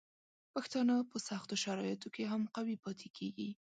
پښتانه په سختو شرایطو کې هم قوي پاتې کیږي.